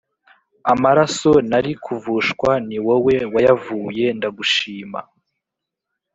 Amaraso nari kuvushwa niwowe wayavuye ndagushima